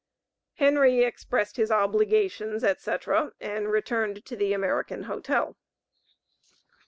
Henry expressed his obligations, etc., and returned to the American Hotel.